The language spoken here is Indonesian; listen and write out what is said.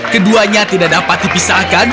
keduanya tidak dapat dipisahkan